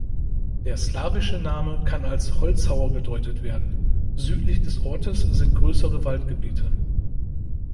Der slawische Name kann als "Holzhauer" gedeutet werden, südlich des Ortes sind größere Waldgebiete.